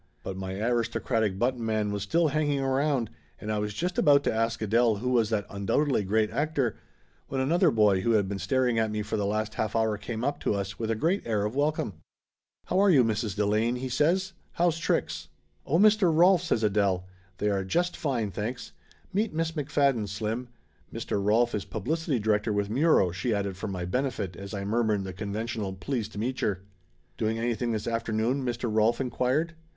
But my aristocratic button man was still hang ing around, and I was just about to ask Adele who was that undoubtedly great actor, when another boy who had been staring at me for the last half hour came up to us with a great air of welcome. "How are you, Mrs. Delane!" he says. "How's tricks?" 88 Laughter Limited "Oh, Mr. Rolf !" says Adele. "They are just fine, thanks. Meet Miss McFadden, Slim. Mr. Rolf is publicity director with Muro," she added for my benefit as I murmured the conventional "pleased to meetcher." "Doing anything this afternoon?" Mr. Rolf inquired.